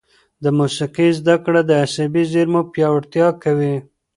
د موسیقي زده کړه د عصبي زېرمو پیاوړتیا کوي.